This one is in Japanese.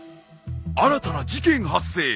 新たな事件発生。